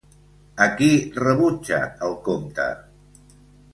A qui rebutja el comte?